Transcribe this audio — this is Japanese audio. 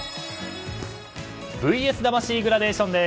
「ＶＳ魂グラデーション」です。